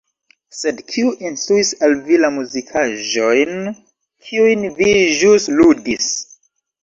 Sed kiu instruis al vi la muzikaĵojn, kiujn vi ĵus ludis.